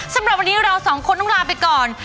สำหรับวันนี้เราสองคนต้องลาไปก่อน